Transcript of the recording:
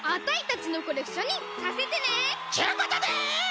ちゅうことで。